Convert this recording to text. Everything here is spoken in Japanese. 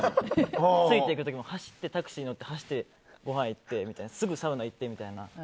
ついていく時も走ってタクシー乗って、走ってごはんに行ってすぐサウナみたいな。